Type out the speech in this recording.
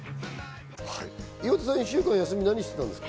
岩田さん、１週間夏休み何してたんですか？